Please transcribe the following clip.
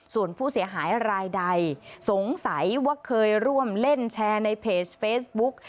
ส่วนผู้เสียหายรายใดสงสัยว่าเคยร่วมเล่นแชร์ในเพจเฟซบุ๊ก